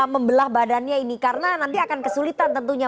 membelah badannya ini karena nanti akan kesulitan tentunya